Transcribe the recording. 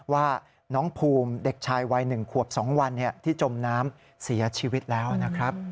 ว่าน้องภูมิเด็กชายวัย๑ขวบ๒วันที่จมน้ำเสียชีวิตแล้วนะครับ